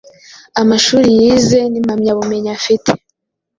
b) Amashuri yize n’impamyabumenyi afite